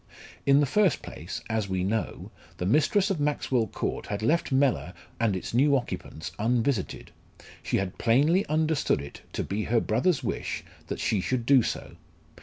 In the first place, as we know, the mistress of Maxwell Court had left Mellor and its new occupants unvisited; she had plainly understood it to be her brother's wish that she should do so.